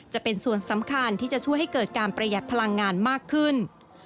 จะเป็นส่วนสำคัญที่จะช่วยให้เกิดการประหยัดพลังงานมากขึ้น